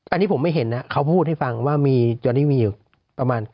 อันนี้ผมไม่เห็นละเขาพูดให้ฟังว่ามีจนทีมีประมาณ๙๑๐คน